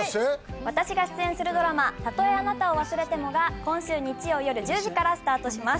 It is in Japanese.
私が出演するドラマ『たとえあなたを忘れても』が今週日曜よる１０時からスタートします。